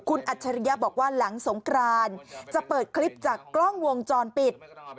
คุณอัจฉริยะบอกว่าหลังสงครานจะเปิดคลิปจากกล้องวงจรปิด